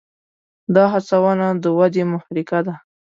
دا هڅونه د ودې محرکه ده.